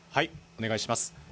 お願いします。